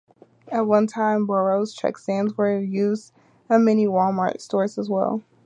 At one time, Borroughs checkstands were in use at many Wal-Mart stores as well.